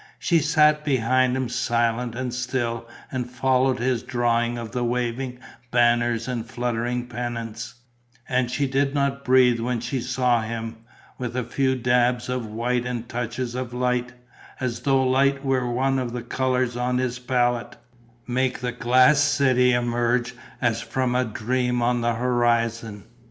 She sat behind him silent and still and followed his drawing of the waving banners and fluttering pennants; and she did not breathe when she saw him, with a few dabs of white and touches of light as though light were one of the colours on his palette make the glass city emerge as from a dream on the horizon.